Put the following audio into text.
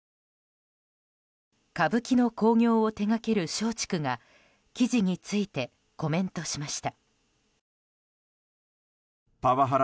歌舞伎の興行を手がける松竹が記事についてコメントしました。